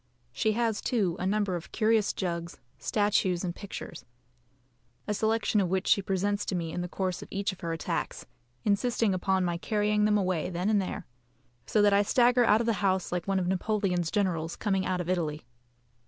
She has, too, a number of curious jugs, statues, and pictures, a selection of which she presents to me in the course of each of her attacks, insisting upon my carrying them away then and there; so that I stagger out of the house like one of Napoleon's generals coming out of Italy.